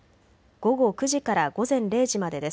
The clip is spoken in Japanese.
午後９時から午前０時までです。